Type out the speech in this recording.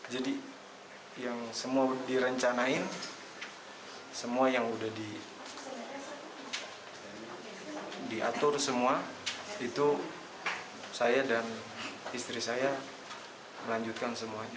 jadi yang semua direncanain semua yang udah diatur semua itu saya dan istri saya melanjutkan semuanya